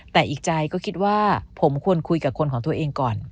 แต่อีกใจก็คิดว่าผมควรคุยกับคนของตัวเองก่อน